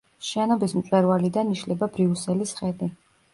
შენობის მწვერვალიდან იშლება ბრიუსელის ხედი.